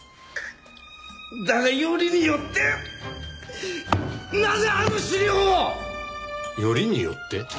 だがよりによってなぜあの資料を！よりによって？